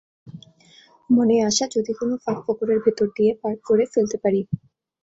মনে আশা, যদি কোনো ফাঁকফোকরের ভেতর দিয়ে পার্ক করে ফেলতে পারি।